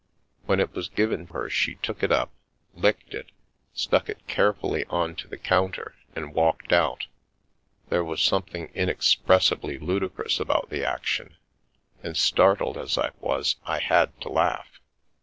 When it was given her she took it up, licked it, stuck it carefully on to the counter and walked out. There was something inexpressibly ludicrous about the action, and, startled as I was, I had to laugh.